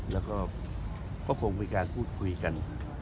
แล้วก็คงคือการคุยกัน